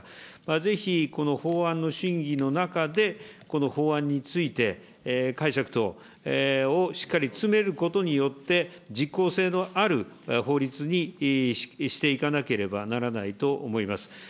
ぜひこの法案の審議の中で、この法案について解釈等をしっかり詰めることによって、実効性のある法律にしていかなければならないと思います。